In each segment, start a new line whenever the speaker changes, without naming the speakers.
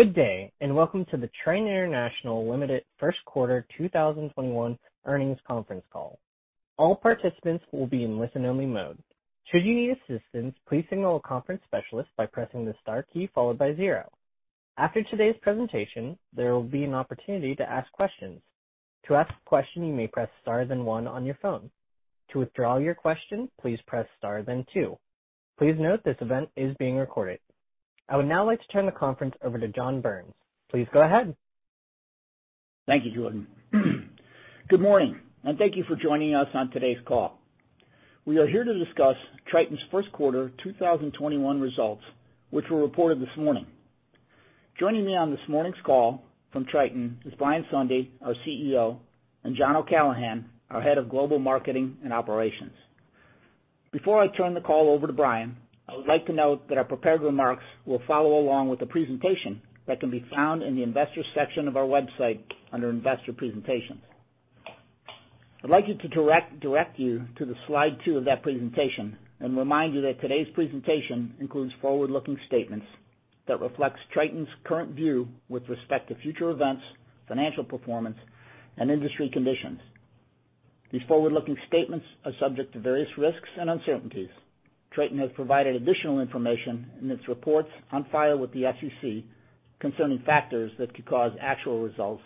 Good day, and welcome to the Triton International Limited first quarter 2021 earnings conference call. All participants will be in listen-only mode. Should you need assistance, please signal a conference specialist by pressing the star key followed by zero. After today's presentation, there will be an opportunity to ask questions. To ask a question, you may press star then one on your phone. To withdraw your question, please press star then two. Please note this event is being recorded. I would now like to turn the conference over to John Burns. Please go ahead.
Thank you, Jordan. Good morning, and thank you for joining us on today's call. We are here to discuss Triton's first quarter 2021 results, which were reported this morning. Joining me on this morning's call from Triton is Brian Sondey, our CEO, and John O'Callaghan, our Head of Global Marketing and Operations. Before I turn the call over to Brian, I would like to note that our prepared remarks will follow along with the presentation that can be found in the investors section of our website under investor presentations. I'd like to direct you to the slide two of that presentation and remind you that today's presentation includes forward-looking statements that reflects Triton's current view with respect to future events, financial performance, and industry conditions. These forward-looking statements are subject to various risks and uncertainties. Triton has provided additional information in its reports on file with the SEC concerning factors that could cause actual results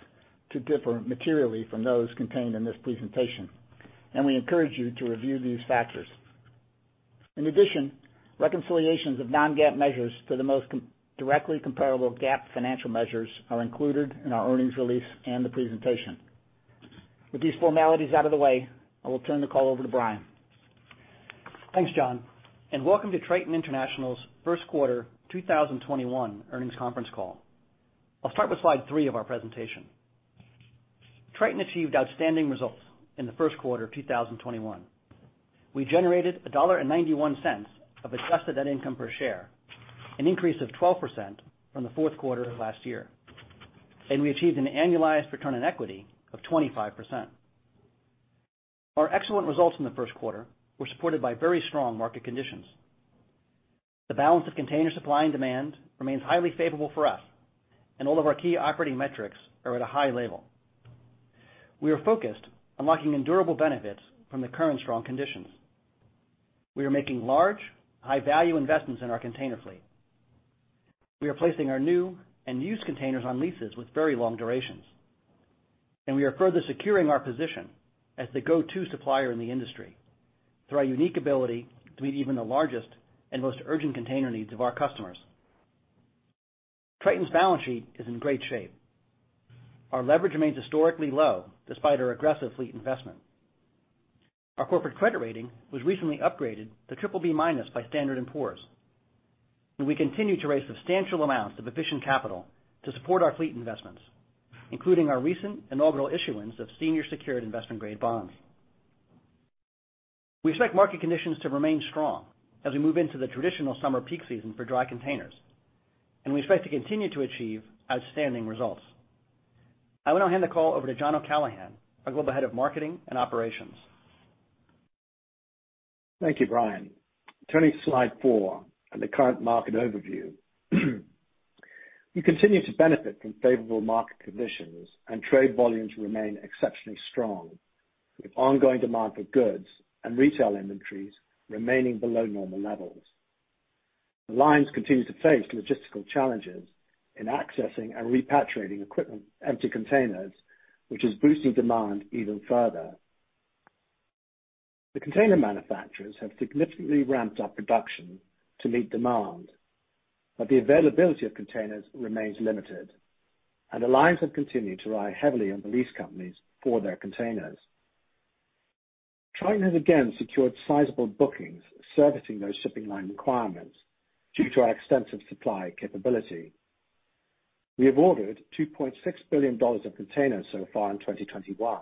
to differ materially from those contained in this presentation, and we encourage you to review these factors. In addition, reconciliations of non-GAAP measures to the most directly comparable GAAP financial measures are included in our earnings release and the presentation. With these formalities out of the way, I will turn the call over to Brian.
Thanks, John, and welcome to Triton International's first quarter 2021 earnings conference call. I'll start with slide three of our presentation. Triton achieved outstanding results in the first quarter of 2021. We generated $1.91 of adjusted net income per share, an increase of 12% from the fourth quarter of last year. We achieved an annualized return on equity of 25%. Our excellent results in the first quarter were supported by very strong market conditions. The balance of container supply and demand remains highly favorable for us, and all of our key operating metrics are at a high level. We are focused on locking in durable benefits from the current strong conditions. We are making large, high-value investments in our container fleet. We are placing our new and used containers on leases with very long durations, and we are further securing our position as the go-to supplier in the industry through our unique ability to meet even the largest and most urgent container needs of our customers. Triton's balance sheet is in great shape. Our leverage remains historically low despite our aggressive fleet investment. Our corporate credit rating was recently upgraded to BBB- by Standard & Poor's. We continue to raise substantial amounts of efficient capital to support our fleet investments, including our recent inaugural issuance of senior secured investment-grade bonds. We expect market conditions to remain strong as we move into the traditional summer peak season for dry containers. We expect to continue to achieve outstanding results. I will now hand the call over to John O'Callaghan, our Global Head of Marketing and Operations.
Thank you, Brian. Turning to slide four and the current market overview. We continue to benefit from favorable market conditions and trade volumes remain exceptionally strong with ongoing demand for goods and retail inventories remaining below normal levels. The lines continue to face logistical challenges in accessing and repatriating equipment, empty containers, which is boosting demand even further. The container manufacturers have significantly ramped up production to meet demand, but the availability of containers remains limited. The lines have continued to rely heavily on the lease companies for their containers. Triton has again secured sizable bookings servicing those shipping line requirements due to our extensive supply capability. We have ordered $2.6 billion of containers so far in 2021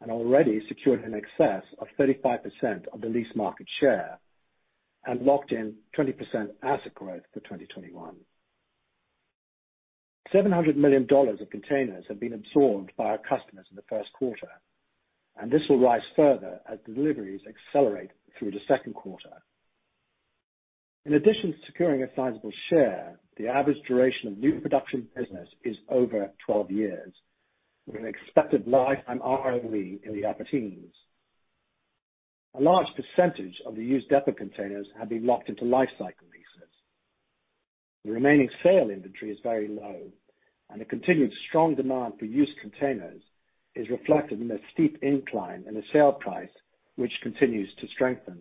and already secured in excess of 35% of the lease market share and locked in 20% asset growth for 2021. $700 million of containers have been absorbed by our customers in the first quarter. This will rise further as deliveries accelerate through the second quarter. In addition to securing a sizable share, the average duration of new production business is over 12 years, with an expected lifetime ROE in the upper teens. A large percentage of the used depot containers have been locked into Lifecycle leases. The remaining sale inventory is very low. The continued strong demand for used containers is reflected in the steep incline in the sale price, which continues to strengthen.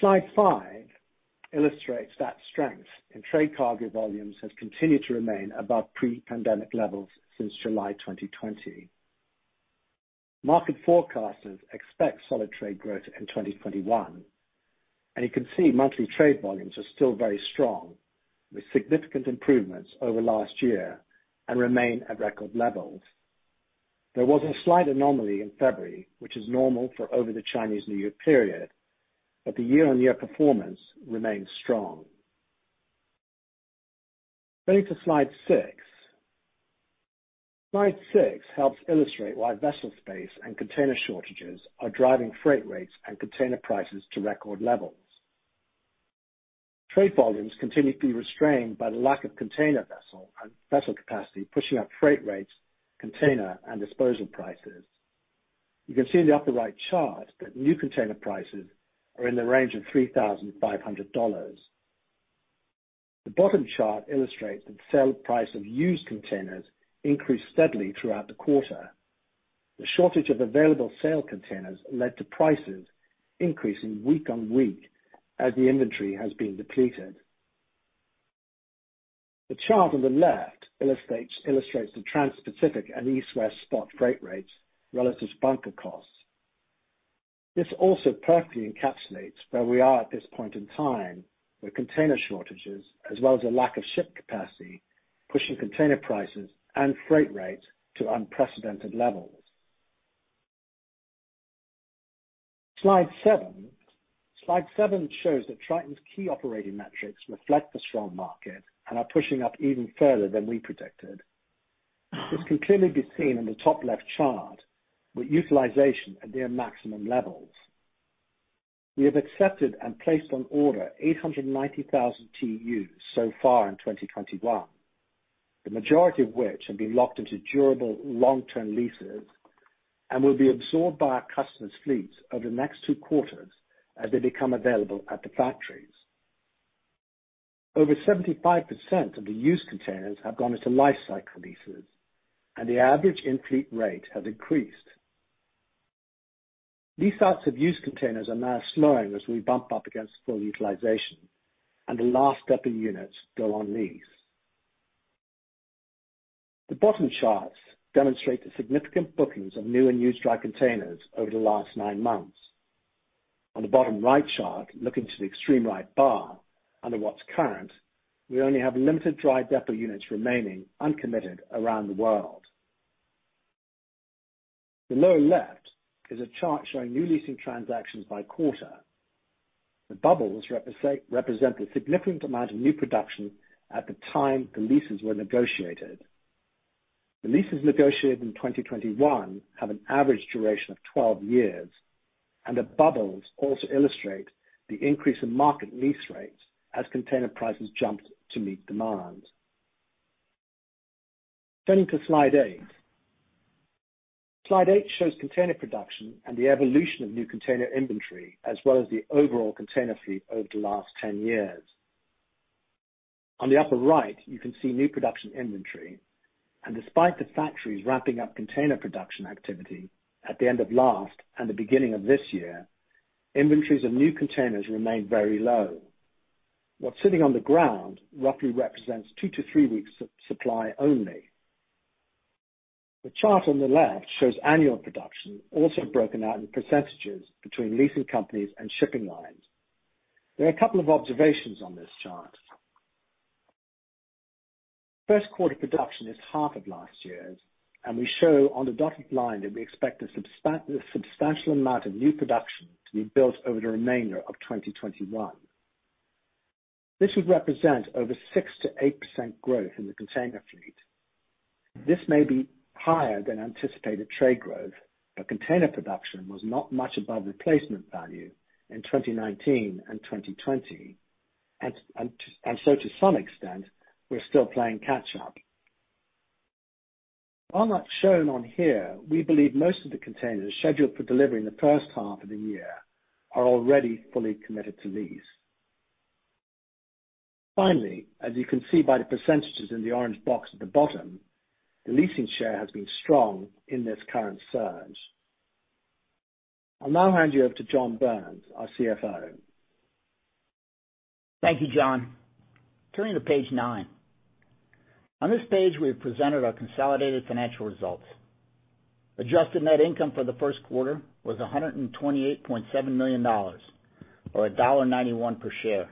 Slide five illustrates that strength. Trade cargo volumes have continued to remain above pre-pandemic levels since July 2020. Market forecasters expect solid trade growth in 2021. You can see monthly trade volumes are still very strong with significant improvements over last year and remain at record levels. There was a slight anomaly in February, which is normal for over the Chinese New Year period, but the year-on-year performance remains strong. Turning to slide six. Slide six helps illustrate why vessel space and container shortages are driving freight rates and container prices to record levels. Trade volumes continue to be restrained by the lack of container vessel and vessel capacity, pushing up freight rates, container, and disposal prices. You can see in the upper right chart that new container prices are in the range of $3,500. The bottom chart illustrates that the sale price of used containers increased steadily throughout the quarter. The shortage of available sale containers led to prices increasing week-on-week as the inventory has been depleted. The chart on the left illustrates the Transpacific and East-West spot freight rates relative to bunker costs. This also perfectly encapsulates where we are at this point in time, with container shortages as well as a lack of ship capacity, pushing container prices and freight rates to unprecedented levels. Slide seven. Slide seven shows that Triton's key operating metrics reflect the strong market and are pushing up even further than we predicted. This can clearly be seen in the top left chart, with utilization at near maximum levels. We have accepted and placed on order 890,000 TEUs so far in 2021. The majority of which have been locked into durable long-term leases and will be absorbed by our customers' fleets over the next two quarters as they become available at the factories. Over 75% of the used containers have gone into Lifecycle leases, and the average in-fleet rate has increased. Lease outs of used containers are now slowing as we bump up against full utilization and the last depot units go on lease. The bottom charts demonstrate the significant bookings of new and used dry containers over the last nine months. On the bottom right chart, looking to the extreme right bar under what's current, we only have limited dry depot units remaining uncommitted around the world. The lower left is a chart showing new leasing transactions by quarter. The bubbles represent a significant amount of new production at the time the leases were negotiated. The leases negotiated in 2021 have an average duration of 12 years, and the bubbles also illustrate the increase in market lease rates as container prices jumped to meet demand. Turning to slide eight. Slide eight shows container production and the evolution of new container inventory, as well as the overall container fleet over the last 10 years. On the upper right, you can see new production inventory, and despite the factories ramping up container production activity at the end of last and the beginning of this year, inventories of new containers remain very low. What's sitting on the ground roughly represents two to three weeks of supply only. The chart on the left shows annual production also broken out in percentages between leasing companies and shipping lines. There are a couple of observations on this chart. First quarter production is half of last year's, and we show on the dotted line that we expect a substantial amount of new production to be built over the remainder of 2021. This would represent over 6%-8% growth in the container fleet. This may be higher than anticipated trade growth, but container production was not much above replacement value in 2019 and 2020. To some extent, we're still playing catch up. While not shown on here, we believe most of the containers scheduled for delivery in the first half of the year are already fully committed to lease. Finally, as you can see by the percentages in the orange box at the bottom, the leasing share has been strong in this current surge. I'll now hand you over to John Burns, our CFO.
Thank you, John. Turning to page nine. On this page, we have presented our consolidated financial results. Adjusted net income for the first quarter was $128.7 million, or $1.91 per share,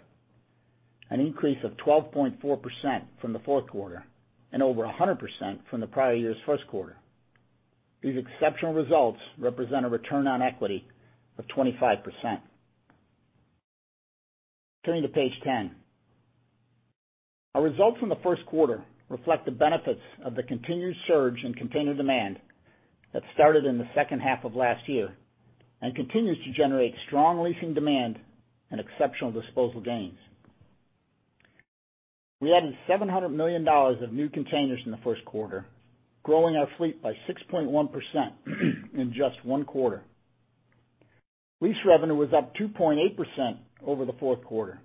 an increase of 12.4% from the fourth quarter, and over 100% from the prior year's first quarter. These exceptional results represent a return on equity of 25%. Turning to page 10. Our results from the first quarter reflect the benefits of the continued surge in container demand that started in the second half of last year and continues to generate strong leasing demand and exceptional disposal gains. We added $700 million of new containers in the first quarter, growing our fleet by 6.1% in just one quarter. Lease revenue was up 2.8% over the fourth quarter.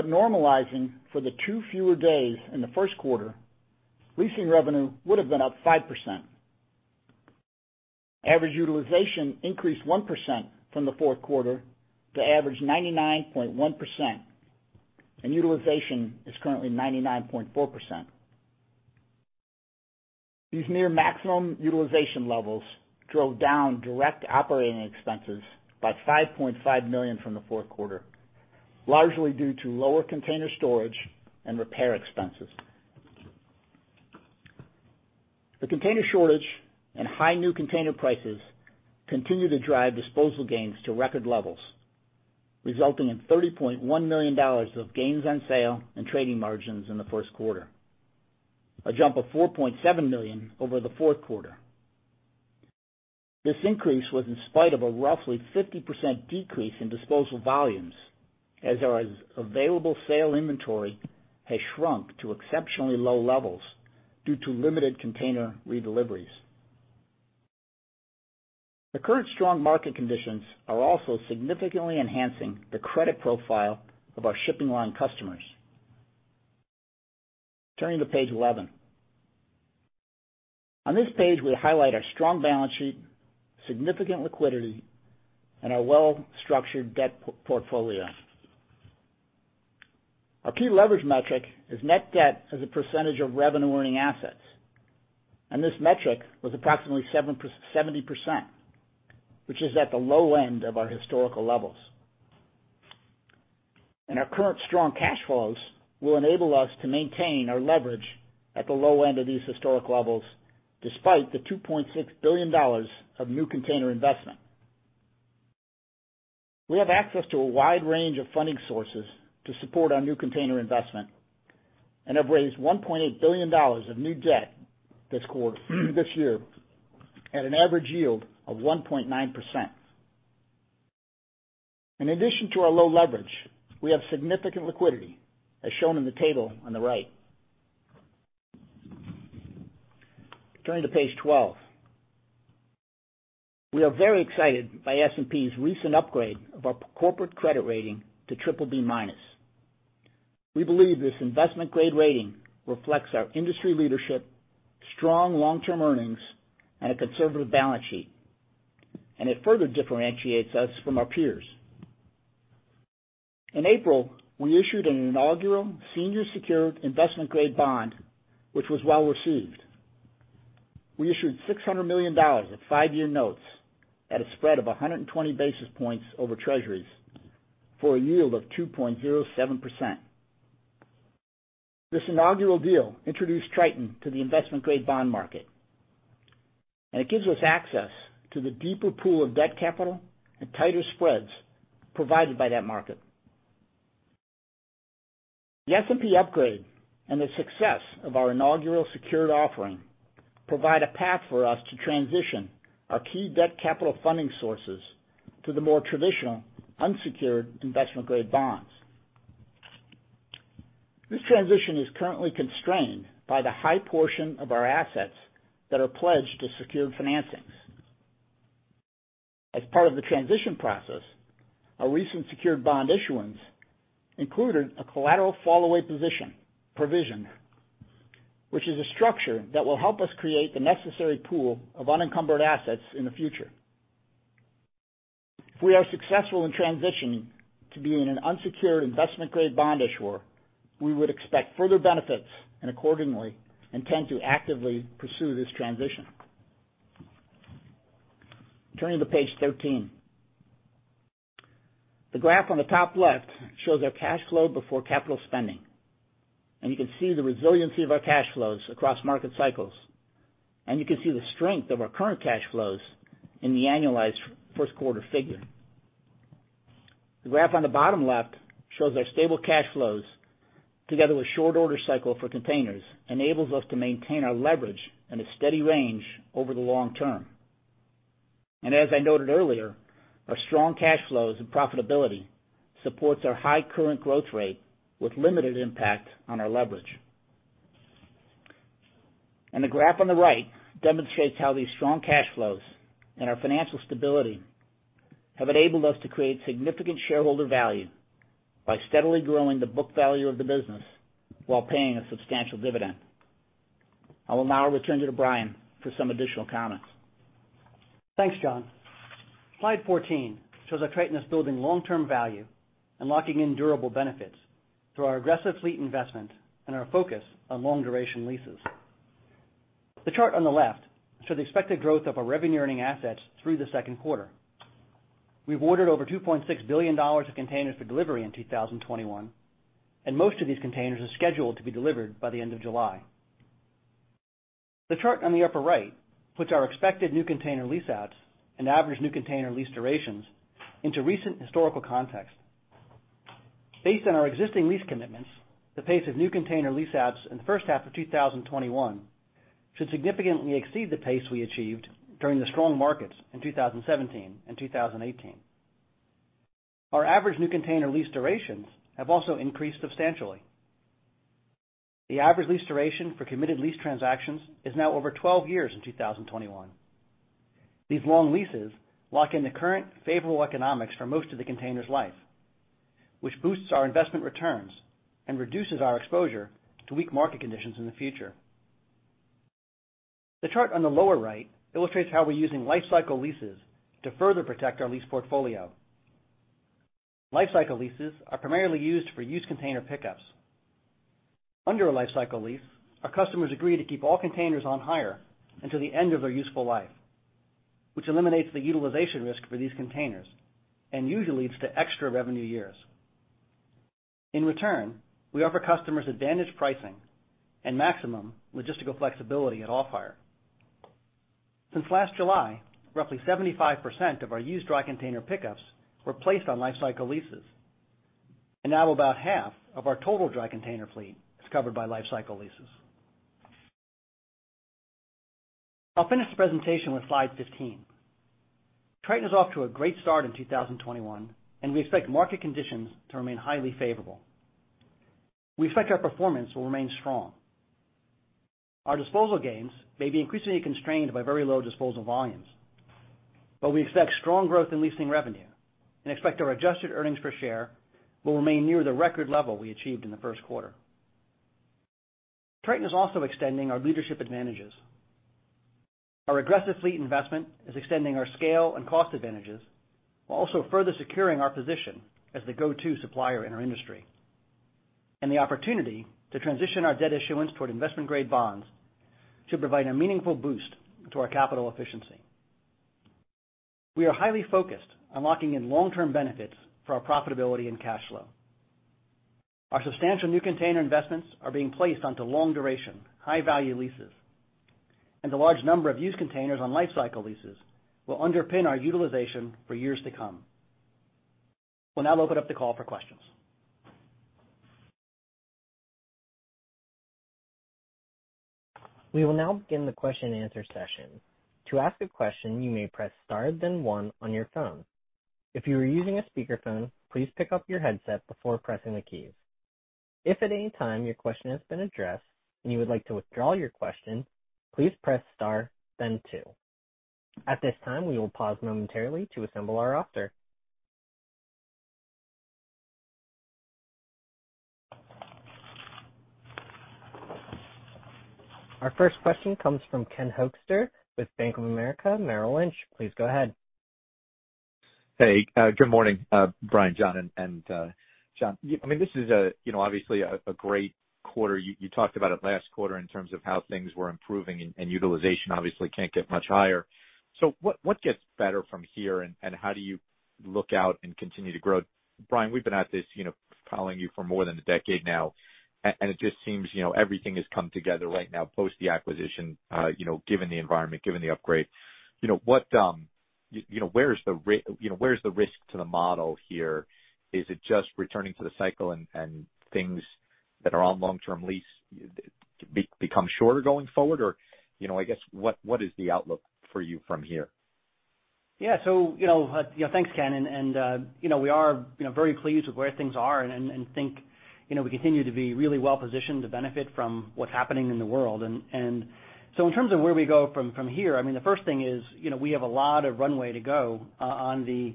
Normalizing for the two fewer days in the first quarter, leasing revenue would have been up 5%. Average utilization increased 1% from the fourth quarter to average 99.1%, and utilization is currently 99.4%. These near maximum utilization levels drove down direct operating expenses by $5.5 million from the fourth quarter, largely due to lower container storage and repair expenses. The container shortage and high new container prices continue to drive disposal gains to record levels, resulting in $30.1 million of gains on sale and trading margins in the first quarter, a jump of $4.7 million over the fourth quarter. This increase was in spite of a roughly 50% decrease in disposal volumes, as our available sale inventory has shrunk to exceptionally low levels due to limited container redeliveries. The current strong market conditions are also significantly enhancing the credit profile of our shipping line customers. Turning to page 11. On this page, we highlight our strong balance sheet, significant liquidity, and our well-structured debt portfolio. Our key leverage metric is net debt as a percentage of revenue-earning assets, this metric was approximately 70%, which is at the low end of our historical levels. Our current strong cash flows will enable us to maintain our leverage at the low end of these historic levels, despite the $2.6 billion of new container investment. We have access to a wide range of funding sources to support our new container investment and have raised $1.8 billion of new debt this year at an average yield of 1.9%. In addition to our low leverage, we have significant liquidity, as shown in the table on the right. Turning to page 12. We are very excited by S&P's recent upgrade of our corporate credit rating to BBB-minus. We believe this investment-grade rating reflects our industry leadership, strong long-term earnings, and a conservative balance sheet, and it further differentiates us from our peers. In April, we issued an inaugural senior secured investment-grade bond, which was well-received. We issued $600 million of five-year notes at a spread of 120 basis points over Treasuries for a yield of 2.07%. This inaugural deal introduced Triton to the investment-grade bond market, and it gives us access to the deeper pool of debt capital and tighter spreads provided by that market. The S&P upgrade and the success of our inaugural secured offering provide a path for us to transition our key debt capital funding sources to the more traditional unsecured investment-grade bonds. This transition is currently constrained by the high portion of our assets that are pledged to secured financings. As part of the transition process, our recent secured bond issuance included a collateral fallaway provision, which is a structure that will help us create the necessary pool of unencumbered assets in the future. If we are successful in transitioning to being an unsecured investment-grade bond issuer, we would expect further benefits, accordingly, intend to actively pursue this transition. Turning to page 13. The graph on the top left shows our cash flow before capital spending, you can see the resiliency of our cash flows across market cycles, you can see the strength of our current cash flows in the annualized first quarter figure. The graph on the bottom left shows our stable cash flows together with short order cycle for containers enables us to maintain our leverage in a steady range over the long term. As I noted earlier, our strong cash flows and profitability supports our high current growth rate with limited impact on our leverage. The graph on the right demonstrates how these strong cash flows and our financial stability have enabled us to create significant shareholder value by steadily growing the book value of the business while paying a substantial dividend. I will now return you to Brian for some additional comments.
Thanks, John. Slide 14 shows that Triton is building long-term value and locking in durable benefits through our aggressive fleet investment and our focus on long-duration leases. The chart on the left shows the expected growth of our revenue-earning assets through the second quarter. We've ordered over $2.6 billion of containers for delivery in 2021, and most of these containers are scheduled to be delivered by the end of July. The chart on the upper right puts our expected new container leaseouts and average new container lease durations into recent historical context. Based on our existing lease commitments, the pace of new container leaseouts in the first half of 2021 should significantly exceed the pace we achieved during the strong markets in 2017 and 2018. Our average new container lease durations have also increased substantially. The average lease duration for committed lease transactions is now over 12 years in 2021. These long leases lock in the current favorable economics for most of the container's life, which boosts our investment returns and reduces our exposure to weak market conditions in the future. The chart on the lower right illustrates how we're using Lifecycle leases to further protect our lease portfolio. Lifecycle leases are primarily used for used container pickups. Under a Lifecycle lease, our customers agree to keep all containers on hire until the end of their useful life, which eliminates the utilization risk for these containers and usually leads to extra revenue years. In return, we offer customers advantage pricing and maximum logistical flexibility at all times. Since last July, roughly 75% of our used dry container pickups were placed on Lifecycle leases. Now about half of our total dry container fleet is covered by Lifecycle leases. I'll finish the presentation with slide 15. Triton is off to a great start in 2021, and we expect market conditions to remain highly favorable. We expect our performance will remain strong. Our disposal gains may be increasingly constrained by very low disposal volumes, but we expect strong growth in leasing revenue and expect our adjusted earnings per share will remain near the record level we achieved in the first quarter. Triton is also extending our leadership advantages. Our aggressive fleet investment is extending our scale and cost advantages, while also further securing our position as the go-to supplier in our industry. The opportunity to transition our debt issuance toward investment-grade bonds should provide a meaningful boost to our capital efficiency. We are highly focused on locking in long-term benefits for our profitability and cash flow. Our substantial new container investments are being placed onto long-duration, high-value leases. The large number of used containers on Lifecycle leases will underpin our utilization for years to come. We'll now open up the call for questions.
We will now begin the question and answer session. To ask a question, you may press star, then one on your phone. If you are using a speakerphone, please pick up your headset before pressing the keys. If at any time your question has been addressed and you would like to withdraw your question, please press star, then two. At this time, we will pause momentarily to assemble our roster. Our first question comes from Ken Hoexter with Bank of America Merrill Lynch. Please go ahead.
Hey. Good morning, Brian, John, and John. This is obviously a great quarter. You talked about it last quarter in terms of how things were improving, and utilization obviously can't get much higher. What gets better from here, and how do you look out and continue to grow? Brian, we've been at this, following you for more than a decade now, and it just seems everything has come together right now post the acquisition, given the environment, given the upgrade. Where's the risk to the model here? Is it just returning to the cycle and things that are on long-term lease become shorter going forward? I guess, what is the outlook for you from here?
Yeah. Thanks, Ken. We are very pleased with where things are and think we continue to be really well-positioned to benefit from what's happening in the world. In terms of where we go from here, the first thing is we have a lot of runway to go on the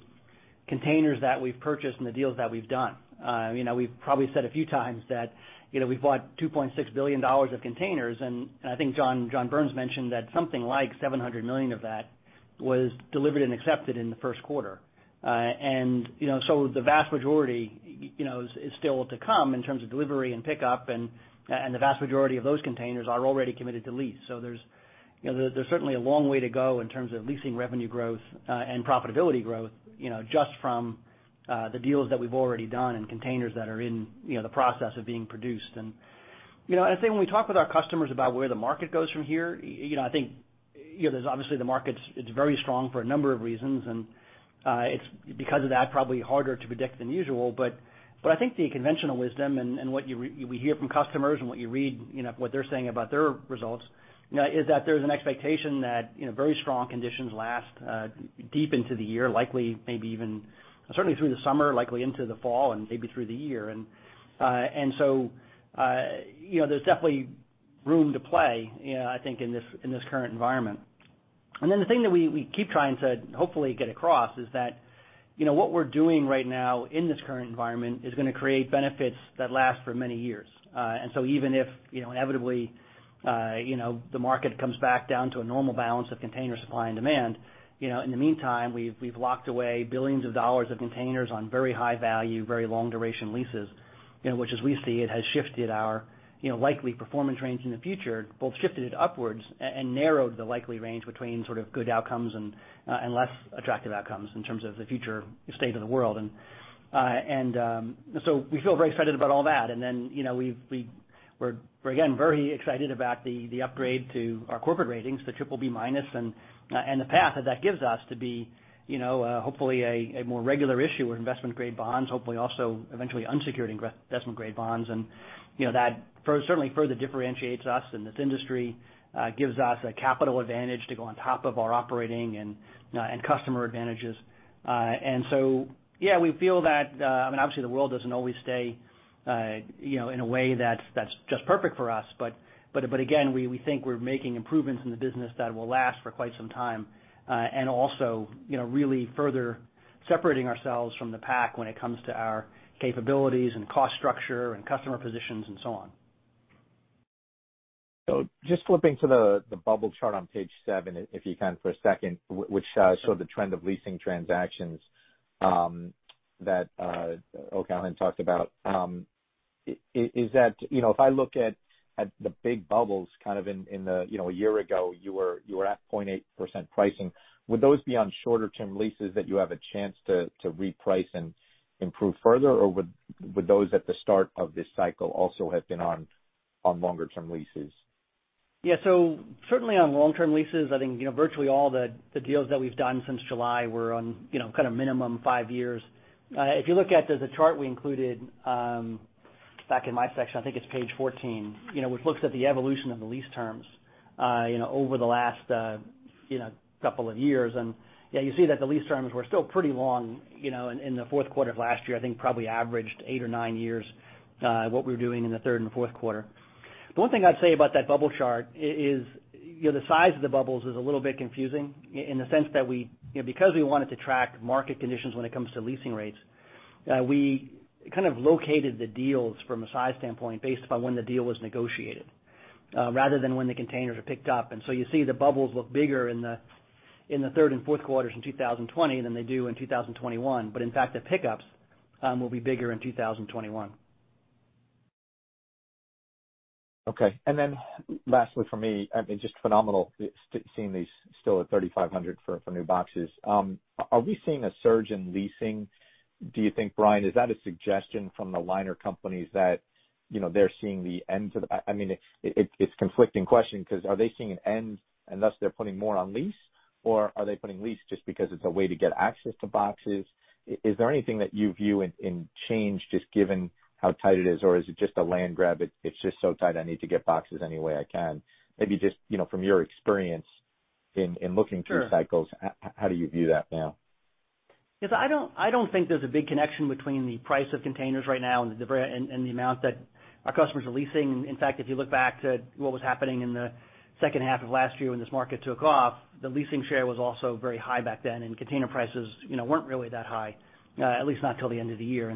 containers that we've purchased and the deals that we've done. We've probably said a few times that we've bought $2.6 billion of containers, and I think John Burns mentioned that something like $700 million of that was delivered and accepted in the first quarter. The vast majority is still to come in terms of delivery and pickup, and the vast majority of those containers are already committed to lease. There's certainly a long way to go in terms of leasing revenue growth and profitability growth just from the deals that we've already done and containers that are in the process of being produced. I'd say when we talk with our customers about where the market goes from here, I think, obviously the market's very strong for a number of reasons, and it's because of that, probably harder to predict than usual. I think the conventional wisdom and what we hear from customers and what you read, what they're saying about their results is that there's an expectation that very strong conditions last deep into the year, certainly through the summer, likely into the fall, and maybe through the year. There's definitely room to play, I think, in this current environment. The thing that we keep trying to hopefully get across is that what we're doing right now in this current environment is going to create benefits that last for many years. Even if inevitably the market comes back down to a normal balance of container supply and demand, in the meantime, we've locked away billions of dollars of containers on very high value, very long duration leases which as we see it, has shifted our likely performance range in the future, both shifted it upwards and narrowed the likely range between sort of good outcomes and less attractive outcomes in terms of the future state of the world. We feel very excited about all that. We're again, very excited about the upgrade to our corporate ratings, the BBB-, and the path that that gives us to be hopefully a more regular issuer investment-grade bonds, hopefully also eventually unsecured investment-grade bonds. That certainly further differentiates us in this industry, gives us a capital advantage to go on top of our operating and customer advantages. Yeah, we feel that obviously the world doesn't always stay in a way that's just perfect for us. Again, we think we're making improvements in the business that will last for quite some time. Also really further separating ourselves from the pack when it comes to our capabilities and cost structure and customer positions and so on.
Just flipping to the bubble chart on page seven, if you can for a second, which showed the trend of leasing transactions that John O'Callaghan talked about. If I look at the big bubbles kind of in a year ago, you were at 0.8% pricing. Would those be on shorter-term leases that you have a chance to reprice and improve further? Or would those at the start of this cycle also have been on longer-term leases?
Certainly on long-term leases, I think, virtually all the deals that we've done since July were on kind of minimum five years. If you look at the chart we included back in my section, I think it's page 14 which looks at the evolution of the lease terms over the last couple of years. You see that the lease terms were still pretty long in the fourth quarter of last year, I think probably averaged eight or nine years, what we were doing in the third and fourth quarter. The one thing I'd say about that bubble chart is the size of the bubbles is a little bit confusing in the sense that because we wanted to track market conditions when it comes to leasing rates, we kind of located the deals from a size standpoint based upon when the deal was negotiated, rather than when the containers are picked up. You see the bubbles look bigger in the third and fourth quarters in 2020 than they do in 2021. In fact, the pickups will be bigger in 2021.
Okay. Lastly from me, I mean, just phenomenal seeing these still at 3,500 for new boxes. Are we seeing a surge in leasing, do you think, Brian? Is that a suggestion from the liner companies that they're seeing the end to the-- I mean, it's conflicting question because are they seeing an end and thus they're putting more on lease? Are they putting lease just because it's a way to get access to boxes? Is there anything that you view in change just given how tight it is? Is it just a land grab, it's just so tight I need to get boxes any way I can? Maybe just from your experience in looking through cycles, how do you view that now?
Yes, I don't think there's a big connection between the price of containers right now and the amount that our customers are leasing. In fact, if you look back to what was happening in the second half of last year when this market took off, the leasing share was also very high back then, and container prices weren't really that high, at least not till the end of the year.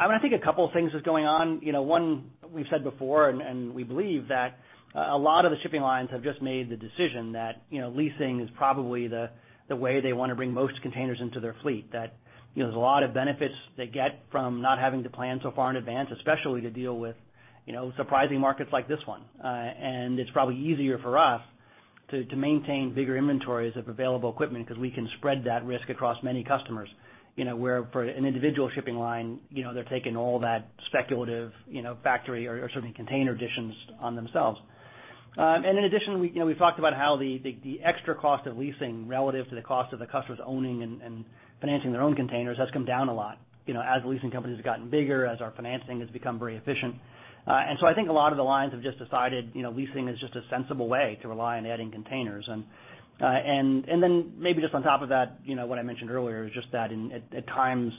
I mean, I think a couple of things is going on. One, we've said before, and we believe that a lot of the shipping lines have just made the decision that leasing is probably the way they want to bring most containers into their fleet. That there's a lot of benefits they get from not having to plan so far in advance, especially to deal with surprising markets like this one. It's probably easier for us to maintain bigger inventories of available equipment because we can spread that risk across many customers. Where for an individual shipping line, they're taking all that speculative factory or certainly container additions on themselves. In addition, we talked about how the extra cost of leasing relative to the cost of the customers owning and financing their own containers has come down a lot as leasing companies have gotten bigger, as our financing has become very efficient. I think a lot of the lines have just decided leasing is just a sensible way to rely on adding containers. Then maybe just on top of that, what I mentioned earlier is just that at times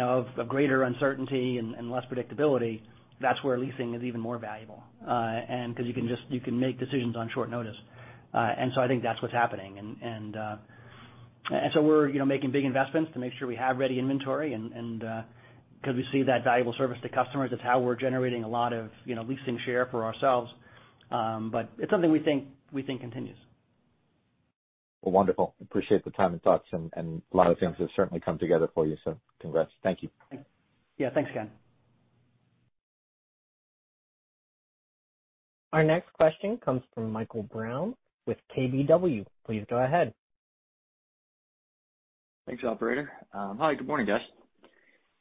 of greater uncertainty and less predictability, that's where leasing is even more valuable because you can make decisions on short notice. I think that's what's happening. We're making big investments to make sure we have ready inventory because we see that valuable service to customers. It's how we're generating a lot of leasing share for ourselves. It's something we think continues.
Well, wonderful. Appreciate the time and thoughts. A lot of things have certainly come together for you. Congrats. Thank you.
Yeah. Thanks, Ken.
Our next question comes from Michael Brown with KBW. Please go ahead.
Thanks, operator. Hi, good morning, guys.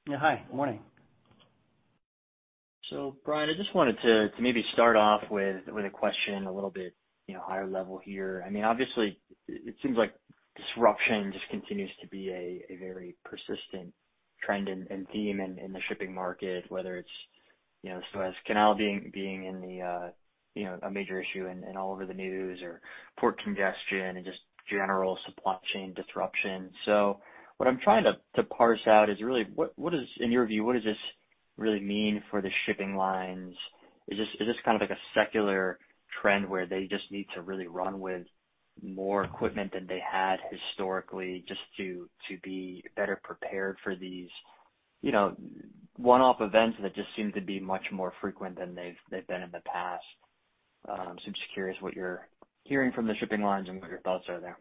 Yeah, hi. Good morning.
Brian, I just wanted to maybe start off with a question a little bit higher level here. I mean, obviously it seems like disruption just continues to be a very persistent trend and theme in the shipping market, whether it's Suez Canal being a major issue and all over the news or port congestion and just general supply chain disruption. What I'm trying to parse out is really, in your view, what does this really mean for the shipping lines? Is this kind of like a secular trend where they just need to really run with more equipment than they had historically just to be better prepared for these one-off events that just seem to be much more frequent than they've been in the past? I'm just curious what you're hearing from the shipping lines and what your thoughts are there.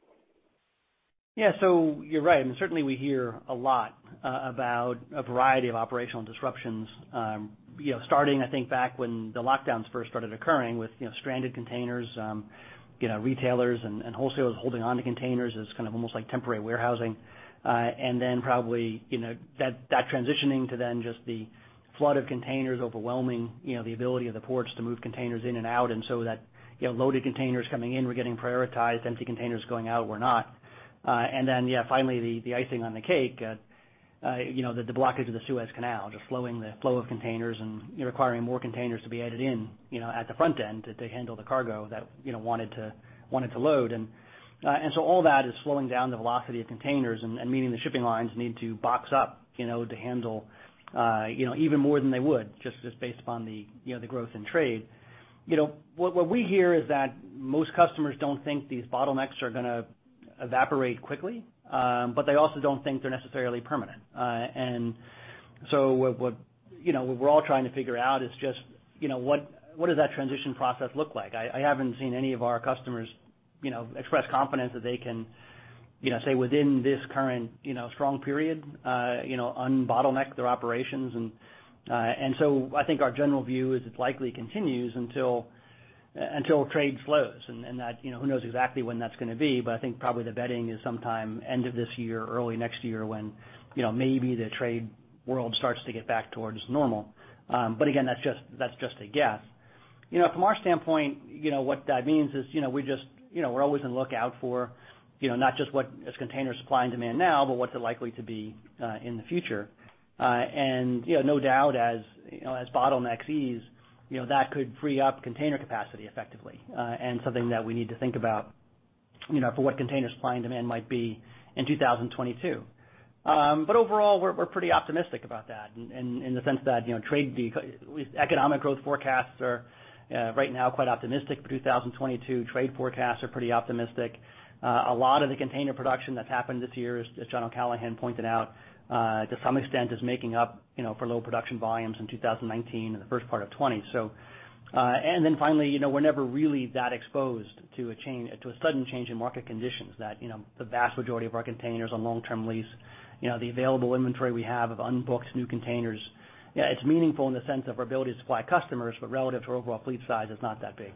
Yeah. You're right. I mean, certainly we hear a lot about a variety of operational disruptions. Starting, I think back when the lockdowns first started occurring with stranded containers, retailers and wholesalers holding onto containers as kind of almost like temporary warehousing. Probably that transitioning to then just the flood of containers overwhelming the ability of the ports to move containers in and out, and so that loaded containers coming in were getting prioritized, empty containers going out were not. Yeah, finally the icing on the cake, the blockage of the Suez Canal, just slowing the flow of containers and requiring more containers to be added in at the front end to handle the cargo that wanted to load. All that is slowing down the velocity of containers and meaning the shipping lines need to box up to handle even more than they would just based upon the growth in trade. What we hear is that most customers don't think these bottlenecks are going to evaporate quickly. They also don't think they're necessarily permanent. What we're all trying to figure out is just what does that transition process look like? I haven't seen any of our customers express confidence that they can say within this current strong period, unbottleneck their operations. I think our general view is it likely continues until trade slows and who knows exactly when that's going to be. I think probably the betting is sometime end of this year or early next year when maybe the trade world starts to get back towards normal. Again, that's just a guess. From our standpoint, what that means is we're always on lookout for not just what is container supply and demand now, but what's it likely to be in the future. No doubt as bottlenecks ease, that could free up container capacity effectively. Something that we need to think about for what container supply and demand might be in 2022. Overall, we're pretty optimistic about that in the sense that economic growth forecasts are right now quite optimistic for 2022. Trade forecasts are pretty optimistic. A lot of the container production that's happened this year, as John O'Callaghan pointed out, to some extent is making up for low production volumes in 2019 and the first part of 2020. Finally, we're never really that exposed to a sudden change in market conditions that the vast majority of our containers on long-term lease, the available inventory we have of unbooked new containers, it's meaningful in the sense of our ability to supply customers, but relative to our overall fleet size, it's not that big.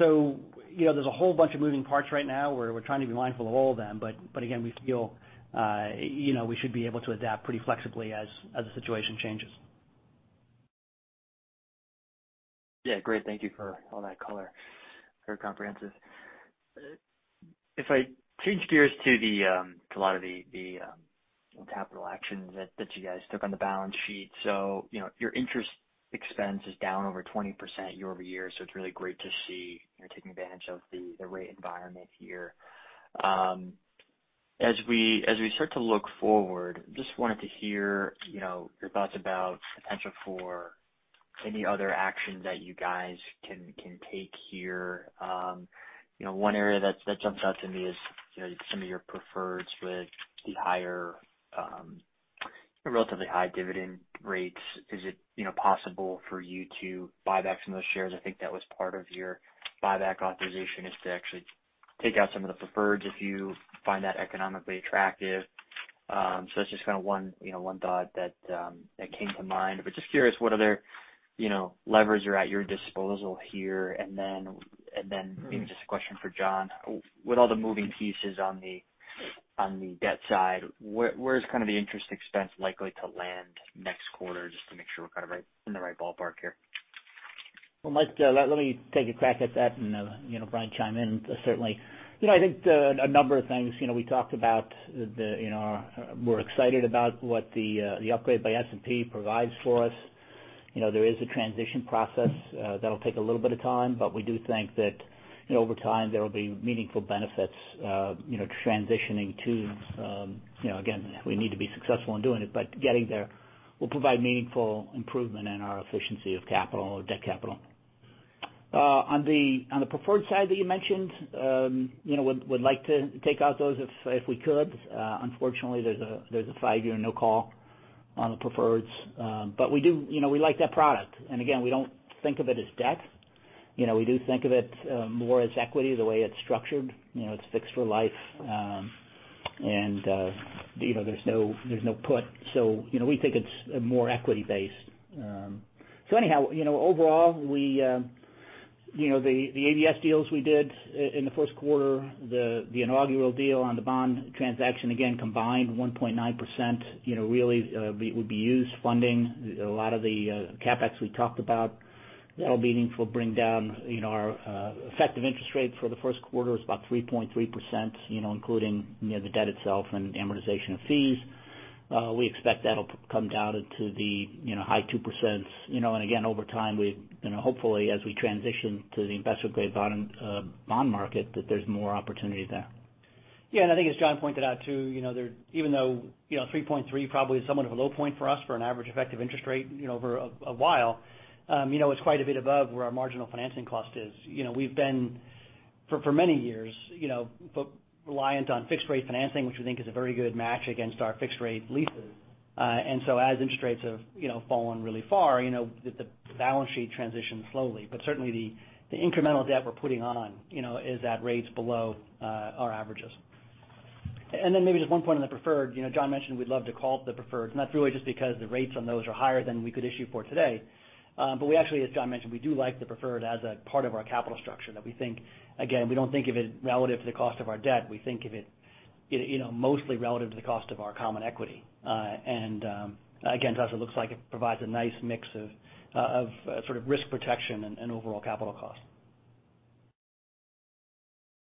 There's a whole bunch of moving parts right now where we're trying to be mindful of all of them. Again, we feel we should be able to adapt pretty flexibly as the situation changes.
Yeah, great. Thank you for all that color. Very comprehensive. If I change gears to a lot of the capital actions that you guys took on the balance sheet. Your interest expense is down over 20% year-over-year, so it's really great to see you're taking advantage of the rate environment here. As we start to look forward, just wanted to hear your thoughts about potential for any other actions that you guys can take here. One area that jumps out to me is some of your preferreds with the relatively high dividend rates. Is it possible for you to buy back some of those shares? I think that was part of your buyback authorization is to actually take out some of the preferreds if you find that economically attractive. That's just kind of one thought that came to mind, but just curious what other levers are at your disposal here? Maybe just a question for John. With all the moving pieces on the debt side, where's kind of the interest expense likely to land next quarter, just to make sure we're kind of in the right ballpark here?
Well, Michael Brown, let me take a crack at that and Brian Sondey chime in, certainly. I think a number of things. We talked about we're excited about what the upgrade by S&P provides for us. There is a transition process that'll take a little bit of time, but we do think that over time, there will be meaningful benefits transitioning to, again, we need to be successful in doing it, but getting there will provide meaningful improvement in our efficiency of capital or debt capital. On the preferred side that you mentioned, would like to take out those if we could. Unfortunately, there's a five-year no call on the preferreds. We like that product. Again, we don't think of it as debt. We do think of it more as equity the way it's structured. It's fixed for life, and there's no put. We think it's more equity-based. Anyhow, overall, the ABS deals we did in the first quarter, the inaugural deal on the bond transaction, again, combined 1.9% really would be used funding a lot of the CapEx we talked about. That'll meaningfully bring down our effective interest rate for the first quarter is about 3.3% including the debt itself and amortization of fees. We expect that'll come down into the high 2%. Again, over time, hopefully as we transition to the investment grade bond market, that there's more opportunity there.
I think as John pointed out, too, even though 3.3% probably is somewhat of a low point for us for an average effective interest rate over a while, it's quite a bit above where our marginal financing cost is. We've been for many years reliant on fixed rate financing, which we think is a very good match against our fixed rate leases. As interest rates have fallen really far, the balance sheet transitions slowly, but certainly the incremental debt we're putting on is at rates below our averages. Then maybe just one point on the preferred. John mentioned we'd love to call up the preferred, and that's really just because the rates on those are higher than we could issue for today. We actually, as John mentioned, we do like the preferred as a part of our capital structure that we think, again, we don't think of it relative to the cost of our debt. We think of it mostly relative to the cost of our common equity. Again, to us, it looks like it provides a nice mix of sort of risk protection and overall capital cost.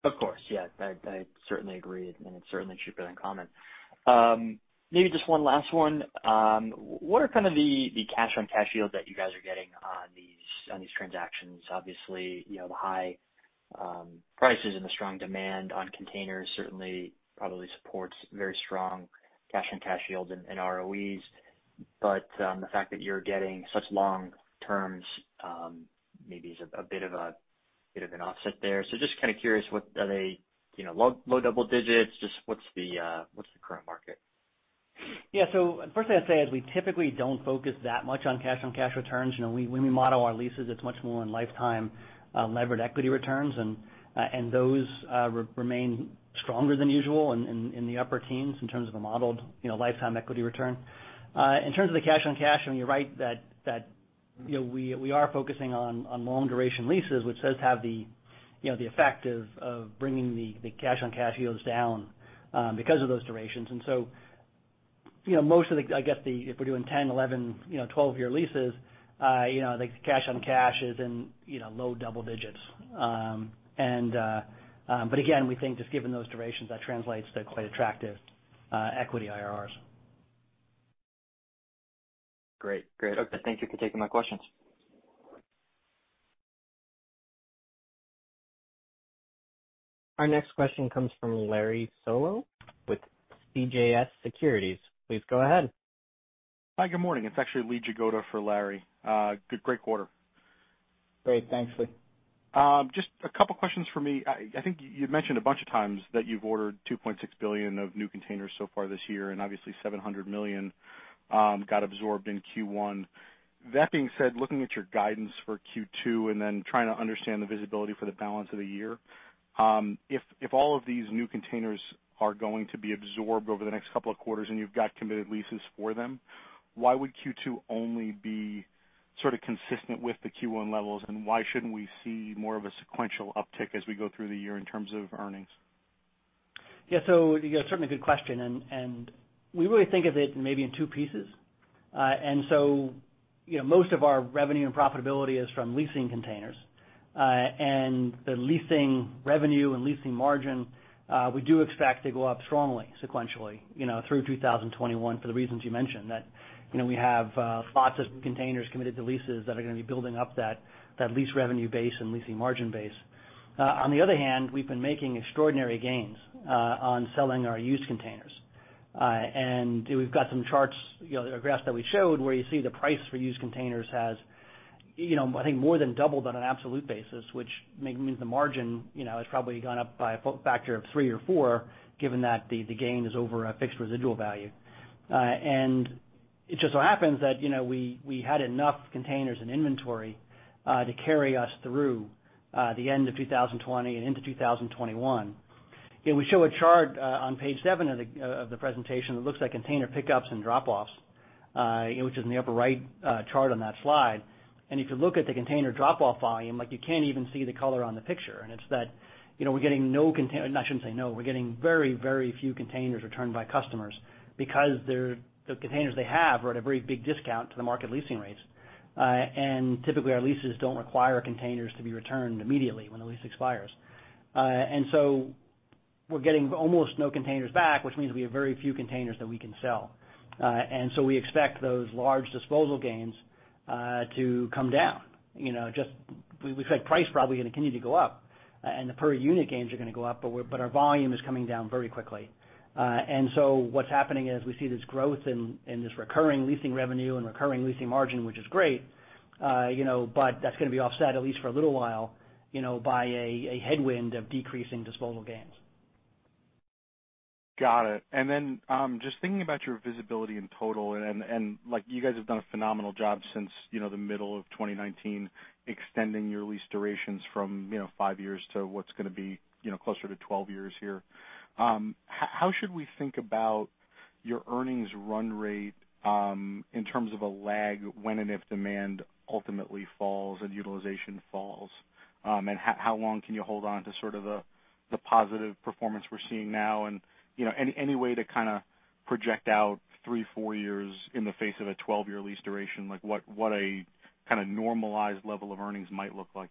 Of course, yeah. I certainly agree, and it certainly should be in common. Maybe just one last one. What are kind of the cash on cash yields that you guys are getting on these transactions? Obviously, the high prices and the strong demand on containers certainly probably supports very strong cash on cash yields and ROEs. The fact that you're getting such long terms maybe is a bit of an offset there. Just kind of curious, are they low double digits? Just what's the current market?
First thing I'd say is we typically don't focus that much on cash on cash returns. When we model our leases, it's much more on lifetime levered equity returns, and those remain stronger than usual in the upper teens in terms of a modeled lifetime equity return. In terms of the cash on cash, I mean, you're right that we are focusing on long-duration leases, which does have the effect of bringing the cash on cash yields down because of those durations. Most of the, I guess, if we're doing 10, 11, 12-year leases, the cash on cash is in low double digits. Again, we think just given those durations, that translates to quite attractive equity IRRs.
Great. Okay, thank you for taking my questions.
Our next question comes from Larry Solow with CJS Securities. Please go ahead.
Hi, good morning. It is actually Lee Jagoda for Larry. Great quarter.
Great, thanks, Lee.
Just a couple questions for me. I think you mentioned a bunch of times that you've ordered $2.6 billion of new containers so far this year, and obviously $700 million got absorbed in Q1. That being said, looking at your guidance for Q2 and then trying to understand the visibility for the balance of the year, if all of these new containers are going to be absorbed over the next couple of quarters and you've got committed leases for them, why would Q2 only be sort of consistent with the Q1 levels, and why shouldn't we see more of a sequential uptick as we go through the year in terms of earnings?
Yeah, certainly a good question. We really think of it maybe in two pieces. Most of our revenue and profitability is from leasing containers. The leasing revenue and leasing margin, we do expect to go up strongly sequentially through 2021 for the reasons you mentioned, that we have lots of containers committed to leases that are going to be building up that lease revenue base and leasing margin base. On the other hand, we've been making extraordinary gains on selling our used containers. We've got some charts, the graphs that we showed, where you see the price for used containers has, I think, more than doubled on an absolute basis, which maybe means the margin has probably gone up by a factor of three or four, given that the gain is over a fixed residual value. It just so happens that we had enough containers and inventory to carry us through the end of 2020 and into 2021. We show a chart on page seven of the presentation that looks at container pickups and drop-offs, which is in the upper-right chart on that slide. If you look at the container drop-off volume, like you can't even see the color on the picture. It's that I shouldn't say no, we're getting very few containers returned by customers because the containers they have are at a very big discount to the market leasing rates. Typically, our leases don't require containers to be returned immediately when the lease expires. So we're getting almost no containers back, which means we have very few containers that we can sell. So we expect those large disposal gains to come down. We said price probably going to continue to go up, and the per unit gains are going to go up, but our volume is coming down very quickly. What's happening is we see this growth in this recurring leasing revenue and recurring leasing margin, which is great, but that's going to be offset at least for a little while, by a headwind of decreasing disposal gains.
Got it. Then just thinking about your visibility in total, you guys have done a phenomenal job since the middle of 2019, extending your lease durations from five years to what's going to be closer to 12 years here. How should we think about your earnings run rate in terms of a lag when and if demand ultimately falls and utilization falls? How long can you hold on to sort of the positive performance we're seeing now? Any way to kind of project out three, four years in the face of a 12-year lease duration, like what a kind of normalized level of earnings might look like?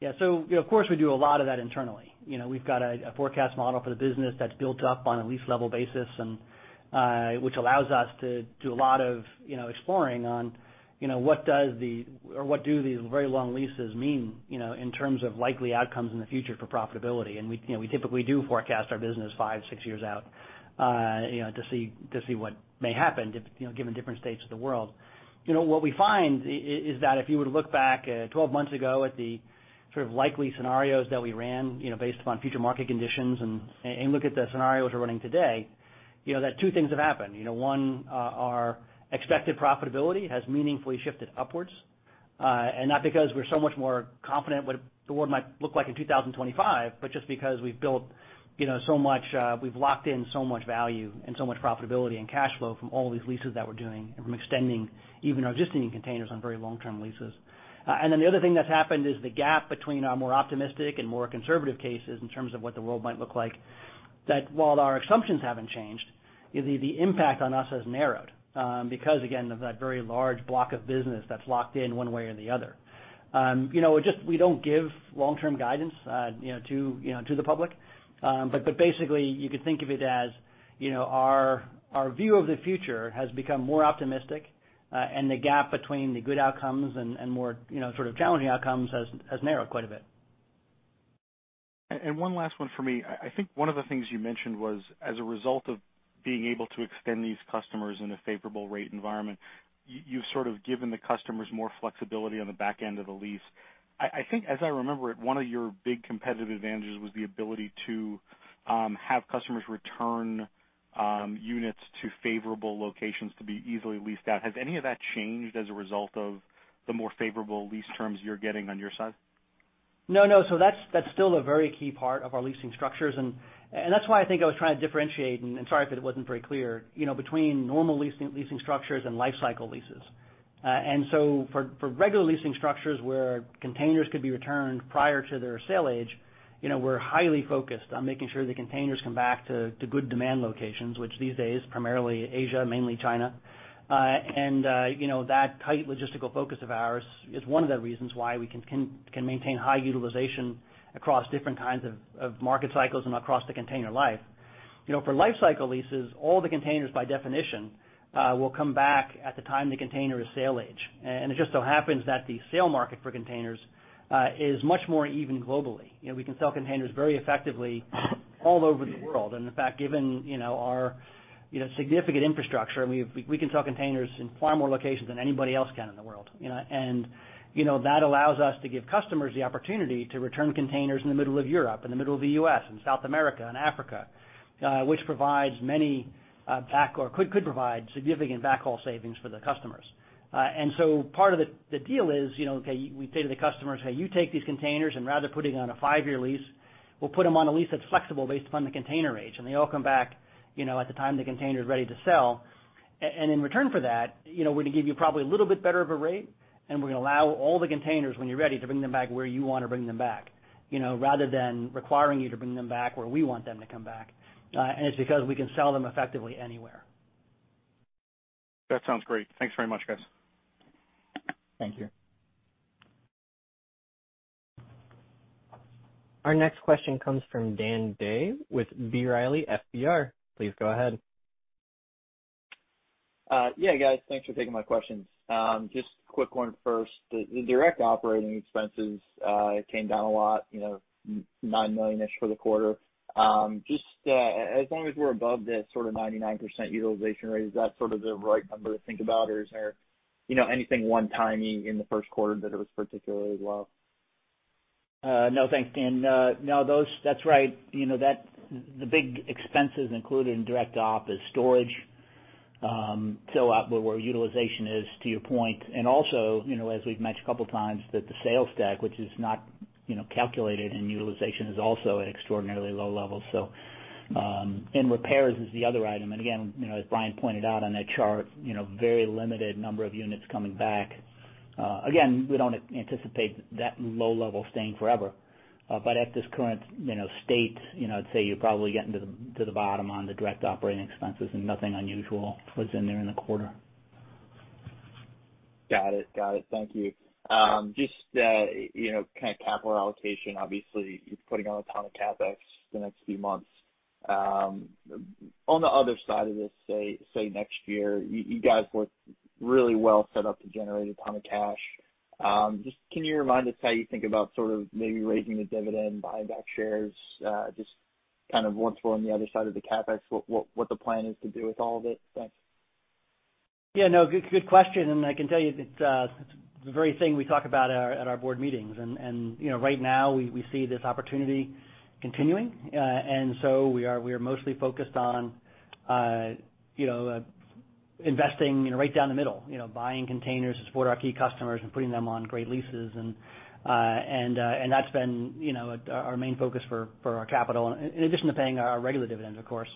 Yeah. Of course, we do a lot of that internally. We've got a forecast model for the business that's built up on a lease level basis, which allows us to do a lot of exploring on what do these very long leases mean in terms of likely outcomes in the future for profitability. We typically do forecast our business five, six years out to see what may happen given different states of the world. What we find is that if you were to look back at 12 months ago at the sort of likely scenarios that we ran based upon future market conditions and look at the scenarios we're running today, that two things have happened. One, our expected profitability has meaningfully shifted upwards. Not because we're so much more confident what the world might look like in 2025, but just because we've locked in so much value and so much profitability and cash flow from all these leases that we're doing, and from extending even our existing containers on very long-term leases. The other thing that's happened is the gap between our more optimistic and more conservative cases in terms of what the world might look like, that while our assumptions haven't changed, the impact on us has narrowed because, again, of that very large block of business that's locked in one way or the other. We don't give long-term guidance to the public. Basically, you could think of it as our view of the future has become more optimistic, and the gap between the good outcomes and more sort of challenging outcomes has narrowed quite a bit.
One last one for me. I think one of the things you mentioned was, as a result of being able to extend these customers in a favorable rate environment, you've sort of given the customers more flexibility on the back end of the lease. I think as I remember it, one of your big competitive advantages was the ability to have customers return units to favorable locations to be easily leased out. Has any of that changed as a result of the more favorable lease terms you're getting on your side?
No. That's still a very key part of our leasing structures, and that's why I think I was trying to differentiate, and sorry if it wasn't very clear, between normal leasing structures and Lifecycle leases. For regular leasing structures where containers could be returned prior to their sale age, we're highly focused on making sure the containers come back to good demand locations, which these days, primarily Asia, mainly China. That tight logistical focus of ours is one of the reasons why we can maintain high utilization across different kinds of market cycles and across the container life. For Lifecycle leases, all the containers by definition, will come back at the time the container is sale age. It just so happens that the sale market for containers is much more even globally. We can sell containers very effectively all over the world. In fact, given our significant infrastructure, we can sell containers in far more locations than anybody else can in the world. That allows us to give customers the opportunity to return containers in the middle of Europe, in the middle of the U.S., in South America and Africa, which could provide significant backhaul savings for the customers. Part of the deal is, okay, we say to the customers, "Hey, you take these containers and rather put it on a five-year lease, we'll put them on a lease that's flexible based upon the container age." They all come back, at the time the container is ready to sell. In return for that, we're going to give you probably a little bit better of a rate. We're going to allow all the containers, when you're ready, to bring them back where you want to bring them back, rather than requiring you to bring them back where we want them to come back. It's because we can sell them effectively anywhere.
That sounds great. Thanks very much, guys.
Thank you.
Our next question comes from Dan Day with B. Riley Securities. Please go ahead.
Yeah, guys. Thanks for taking my questions. Just a quick one first. The direct operating expenses came down a lot, $9 million-ish for the quarter. Just as long as we're above the sort of 99% utilization rate, is that sort of the right number to think about, or is there anything one-timing in the first quarter that it was particularly low?
No. Thanks, Dan. No, that's right. The big expenses included in direct op is storage. Where utilization is, to your point, and also, as we've mentioned a couple of times, that the sales deck, which is not calculated in utilization, is also at extraordinarily low levels. Repairs is the other item. Again, as Brian pointed out on that chart, very limited number of units coming back. Again, we don't anticipate that low level staying forever. At this current state, I'd say you're probably getting to the bottom on the direct operating expenses and nothing unusual was in there in the quarter.
Got it. Thank you. Just kind of capital allocation. Obviously, you're putting on a ton of CapEx the next few months. On the other side of this, say, next year, you guys were really well set up to generate a ton of cash. Just can you remind us how you think about sort of maybe raising the dividend, buying back shares? Just kind of once we're on the other side of the CapEx, what the plan is to do with all of it? Thanks.
Yeah. No, good question. I can tell you, it's the very thing we talk about at our board meetings. Right now we see this opportunity continuing. So we are mostly focused on investing right down the middle. Buying containers to support our key customers and putting them on great leases and that's been our main focus for our capital, in addition to paying our regular dividends, of course.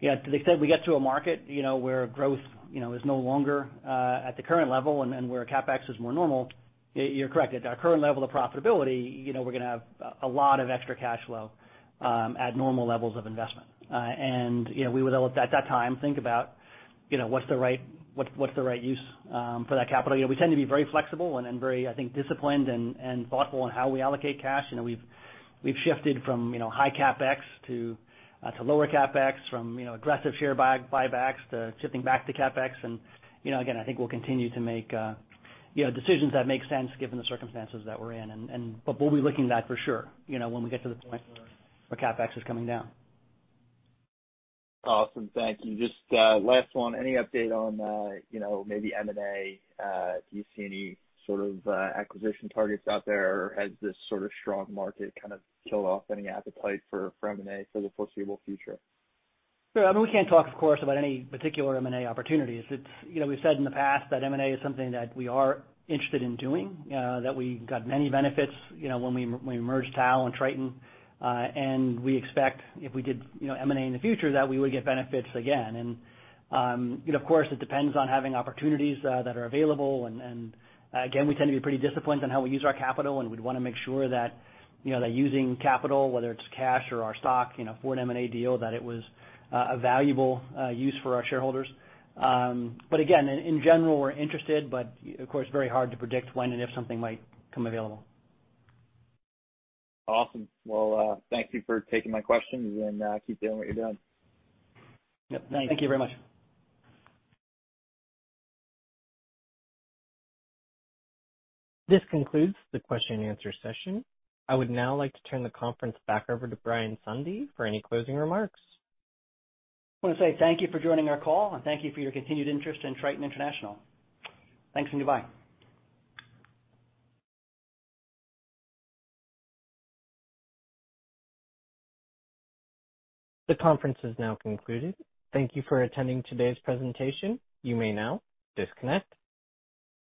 Yeah, to the extent we get to a market where growth is no longer at the current level and where CapEx is more normal, you're correct. At our current level of profitability, we're going to have a lot of extra cash flow at normal levels of investment. We would all at that time think about what's the right use for that capital. We tend to be very flexible and very, I think, disciplined and thoughtful in how we allocate cash. We've shifted from high CapEx to lower CapEx from aggressive share buybacks to shifting back to CapEx. Again, I think we'll continue to make decisions that make sense given the circumstances that we're in. We'll be looking at that for sure, when we get to the point where CapEx is coming down.
Awesome. Thank you. Just last one. Any update on maybe M&A? Do you see any sort of acquisition targets out there, or has this sort of strong market kind of killed off any appetite for M&A for the foreseeable future?
Sure. I mean, we can't talk, of course, about any particular M&A opportunities. We've said in the past that M&A is something that we are interested in doing, that we got many benefits when we merged TAL and Triton. We expect if we did M&A in the future, that we would get benefits again. Of course, it depends on having opportunities that are available. Again, we tend to be pretty disciplined on how we use our capital, and we'd want to make sure that using capital, whether it's cash or our stock for an M&A deal, that it was a valuable use for our shareholders. Again, in general, we're interested but of course, very hard to predict when and if something might come available.
Awesome. Thank you for taking my questions, and keep doing what you're doing.
Yep. Thank you very much.
This concludes the question and answer session. I would now like to turn the conference back over to Brian Sondey for any closing remarks.
I want to say thank you for joining our call, and thank you for your continued interest in Triton International. Thanks, and goodbye.
The conference is now concluded. Thank you for attending today's presentation. You may now disconnect.